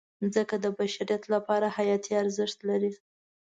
مځکه د بشریت لپاره حیاتي ارزښت لري.